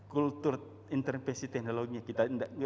kulturnya intervensi teknologi kita tidak dipupuk ya